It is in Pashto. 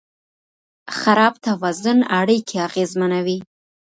خراب توازن اړیکې اغېزمنوي.